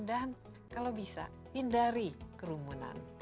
dan kalau bisa hindari kerumunan